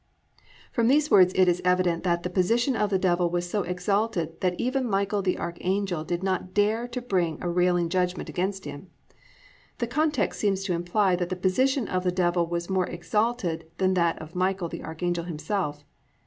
"+ From these words it is evident that _the position of the Devil was so exalted that even Michael the archangel did not dare to bring a railing judgment against him_. The context seems to imply that the position of the Devil was more exalted than that of Michael the archangel himself.